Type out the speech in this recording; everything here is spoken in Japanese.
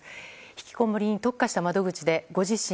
ひきこもりに特化した窓口でご自身